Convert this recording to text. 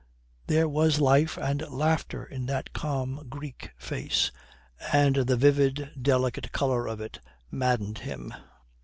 There was life and laughter in that calm Greek face, and the vivid, delicate colour of it maddened him.